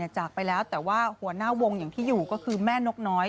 จากไปแล้วแต่ว่าหัวหน้าวงอย่างที่อยู่ก็คือแม่นกน้อย